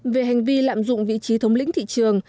về hành vi lạm dụng vị trí thống lĩnh thị trường